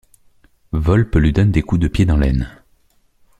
Volpe lui donne des coups de pied dans l'aine.